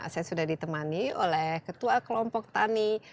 saya sudah ditemani oleh ketua kelompok tani